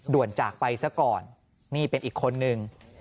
ด่วนจากไปซะก่อนนี่เป็นอีกคนนึง